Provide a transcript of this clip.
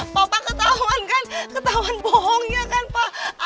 papa ketauan kan ketauan bohongnya kan papa